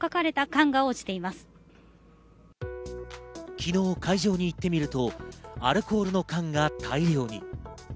昨日会場に行ってみるとアルコールの缶が大量に。